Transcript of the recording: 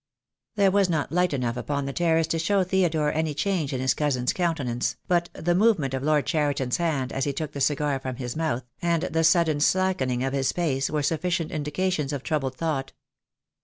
There was not light enough upon the terrace to show Theodore any change in his cousin's countenance, but the movement of Lord Cheriton's hand as he took the cigar from his mouth, and the sudden slackening of his pace were sufficient indications of troubled thought.